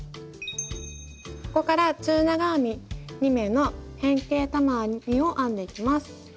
ここから中長編み２目の変形玉編みを編んでいきます。